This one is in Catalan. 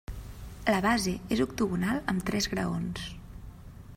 La base és octogonal amb tres graons.